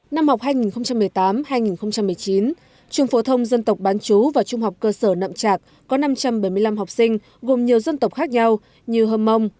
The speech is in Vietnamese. năm học hai nghìn một mươi tám hai nghìn một mươi chín trung phố thông dân tộc bán chú và trung học cơ sở nậm trạc có năm trăm bảy mươi năm học sinh gồm nhiều dân tộc khác nhau như hơm mông